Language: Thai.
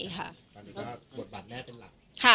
ตอนนี้ก็หมดบัตรแน่เป็นหลัก